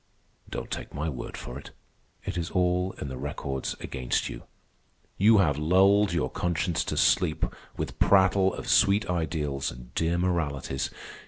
Don't take my word for it. It is all in the records against you. You have lulled your conscience to sleep with prattle of sweet ideals and dear moralities.